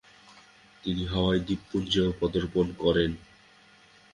তিনি হাওয়াই দ্বীপপুঞ্জেও পদার্পণ করেন।